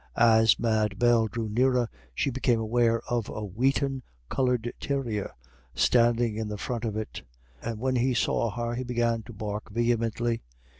As Mad Bell drew nearer, she became aware of a wheaten coloured terrier standing in front of it; and when he saw her he began to bark vehemently.